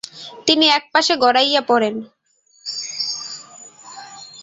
তিনি একপাশে গড়াইয়া পড়েন।